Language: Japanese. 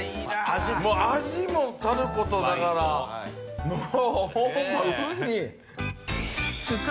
味もさることながらもうホンマ海。